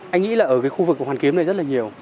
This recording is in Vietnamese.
anh nghĩ là ở cái khu vực của hoàn kiếm này rất là nhiều